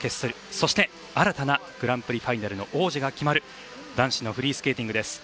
そして新たなグランプリファイナル王者が決まる男子のフリースケーティングです。